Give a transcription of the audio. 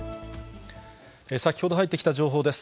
先ほど入ってきた情報です。